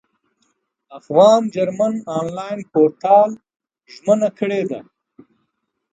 افغان جرمن انلاین پورتال ژمنه کړې ده.